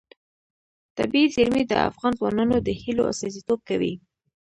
طبیعي زیرمې د افغان ځوانانو د هیلو استازیتوب کوي.